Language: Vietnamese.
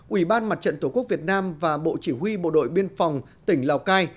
ủy ban mặt trận tổ quốc việt nam và bộ chỉ huy bộ đội biên phòng tỉnh lào cai